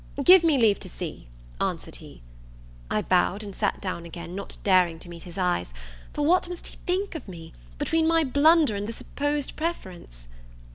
"Give me leave to see," answered he. I bowed and sat down again, not daring to meet his eyes; for what must he think of me, between my blunder, and the supposed preference?